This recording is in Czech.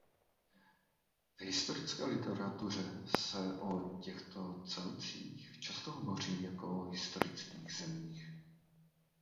V historické literatuře se o těchto celcích často hovoří jako o historických zemích.